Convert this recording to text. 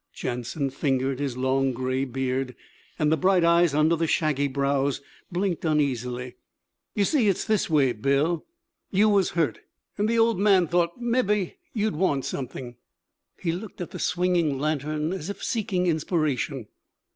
Jansen fingered his long gray beard, and the bright eyes under the shaggy brows blinked uneasily. 'You see, it's this way, Bill. You was hurt, an' the Old Man thought mebbe you'd want something.' He looked at the swinging lantern as if seeking inspiration.